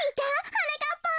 はなかっぱん。